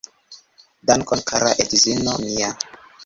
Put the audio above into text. Dankon kara edzino mia